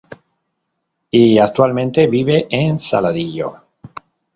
Y actualmente vive en Saladillo.